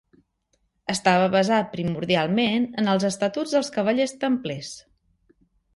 Estava basat primordialment en els estatuts dels Cavallers Templers.